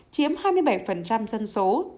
chiếm hai mươi bảy dân số